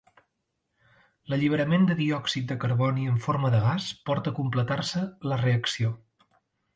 L'alliberament de diòxid de carboni en forma de gas porta a completar-se la reacció.